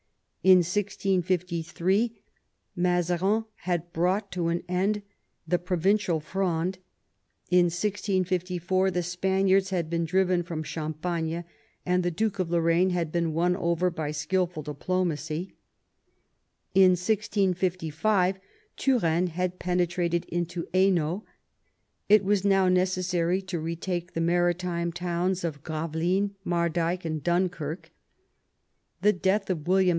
In 1653 Mazarin had brought to an end the provincial Fronde; in 1654 the Spaniards had been driven from Champagne, and the Duke of Lorraine had been won over by skilful diplo macy ; in 1655 Turenne had penetrated into Hainault. It was now necessary to retake the maritime towns of Gravelines, Mardyke, and Dunkirk The death of William II.